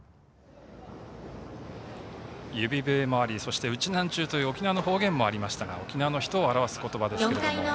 指笛もありそして、ウチナーンチュという沖縄の方言もありましたが沖縄の人を表す言葉です。